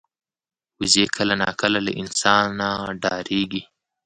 وزې کله ناکله له انسانه ډاریږي